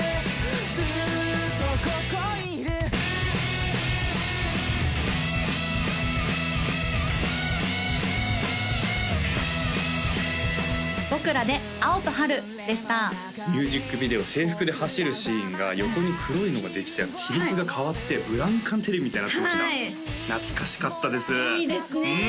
ずっとここにいるミュージックビデオ制服で走るシーンが横に黒いのができて比率が変わってブラウン管テレビみたいになってました懐かしかったですいいですね